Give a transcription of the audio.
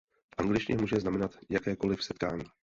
V angličtině může znamenat jakékoliv setkání.